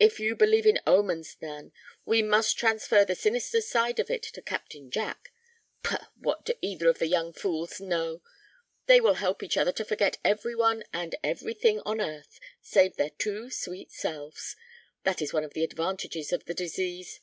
"If you believe in omens, Nan, we must transfer the sinister side of it to Captain Jack. Pah! what do either of the young fools know? They will help each other to forget every one and everything on earth save their two sweet selves. That is one of the advantages of the disease.